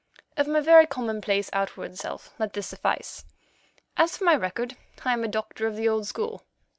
Of my very commonplace outward self let this suffice. As for my record, I am a doctor of the old school.